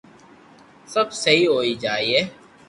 سب سھي ھوئي جائين